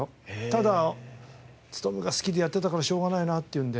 ただ勤が好きでやってるんだからしょうがないなっていうので。